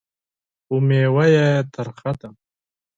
خو مېوه یې ترخه ده .